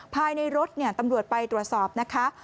ภายในรถตำรวจไปตรวจสอบนะคะ